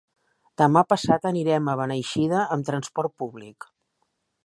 Demà passat anirem a Beneixida amb transport públic.